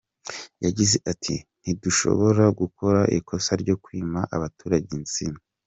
Yagize ati“Ntidushobora gukora ikosa ryo kwima abaturage inzira.